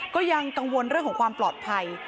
ก็ยังกังวลเรื่องของความปลอดภัย